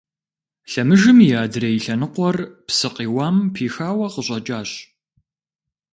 Лъэмыжым и адрей лъэныкъуэр псы къиуам пихауэ къыщӀэкӀащ.